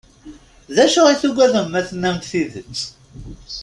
D acu i tugadem ma tennam-d tidet?